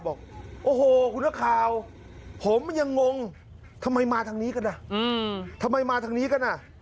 บอกโอ้โหคุณข่าวผมยังงงทำไมมาทางนี้กันอ่ะ